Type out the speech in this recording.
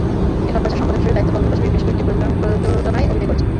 এখন প্রচার সম্পাদক হিসেবে দায়িত্ব পালনের পাশাপাশি বেশ কয়েকটি প্রযোজনায় অভিনয় করেছেন।